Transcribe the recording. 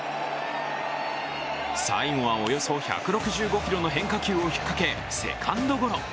最後はおよそ１６５キロの変化球を引っかけセカンドゴロ。